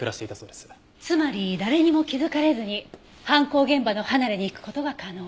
つまり誰にも気づかれずに犯行現場の離れに行く事が可能。